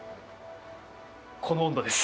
この温度です。